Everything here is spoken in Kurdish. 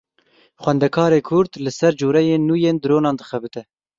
Xwendekarê Kurd li ser coreyên nû yên dronan dixebite.